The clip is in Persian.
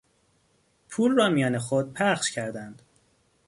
پول را میان خود بخش کردند.